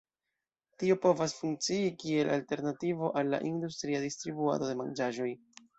Tio povas funkcii kiel alternativo al la industria distribuado de manĝaĵoj.